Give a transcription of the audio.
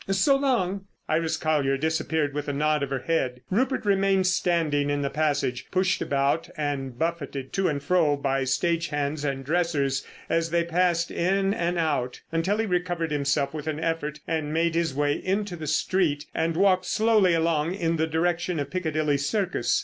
So long." Iris Colyer disappeared with a nod of her head. Rupert remained standing in the passage, pushed about and buffeted to and fro by stage hands and dressers as they passed in and out, until he recovered himself with an effort and made his way into the street and walked slowly along in the direction of Piccadilly Circus.